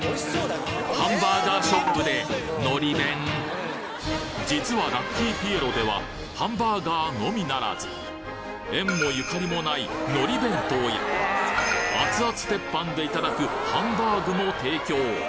ハンバーガーショップで実はラッキーピエロではハンバーガーのみならず縁もゆかりもないのり弁当や熱々鉄板でいただくハンバーグも提供